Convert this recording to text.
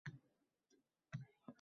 Fotimaxonim ko'pchilikni xohlamadi.